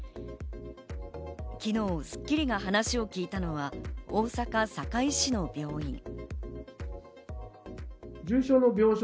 昨日『スッキリ』が話を聞いたのは大阪堺市の病院。